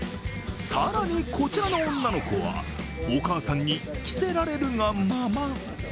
更に、こちらの女の子はお母さんに着せられるがまま。